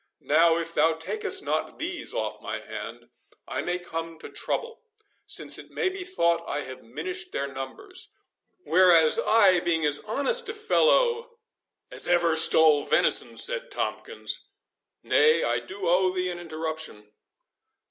Now, if thou takest not these off my hand, I may come to trouble, since it may be thought I have minished their numbers.—Whereas, I being as honest a fellow"— "As ever stole venison," said Tomkins—"nay, I do owe thee an interruption."